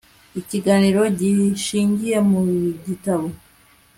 Ikiganiro gishingiye mu gitabo